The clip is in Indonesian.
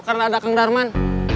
karena ada kang darman